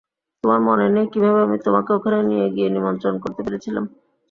তোমার মনে নেই কিভাবে আমি তোমাকে ওখানে নিয়ে গিয়ে নিয়ন্ত্রণ করতে পেরেছিলাম?